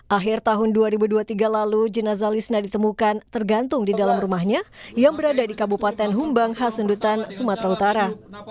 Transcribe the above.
akhir tahun dua ribu dua puluh tiga lalu jenazah lisna ditemukan tergantung di dalam rumahnya yang berada di kabupaten humbang hasundutan sumatera utara